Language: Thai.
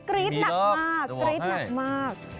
กรี๊บหนักมาก